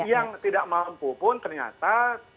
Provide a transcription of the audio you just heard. yang tidak mampu pun ternyata